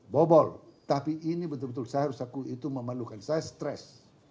bobol tapi ini betul betul saya harus akui itu memalukan saya stres